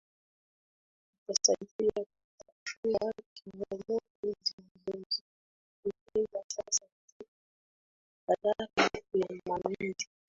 Itasaidia kutatua changamoto zinazojitokeza sasa katika bandari yetu ya Malindi